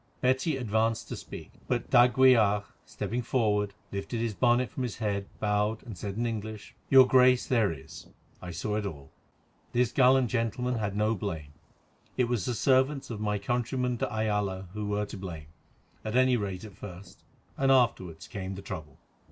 Betty advanced to speak, but d'Aguilar, stepping forward, lifted his bonnet from his head, bowed and said in English: "Your Grace, there is; I saw it all. This gallant gentleman had no blame. It was the servants of my countryman de Ayala who were to blame, at any rate at first, and afterwards came the trouble."